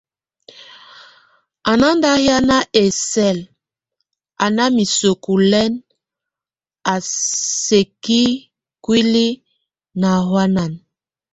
A nándahian ɛsɛl, a ná miseku lɛn a sɛkikúli náhuanan.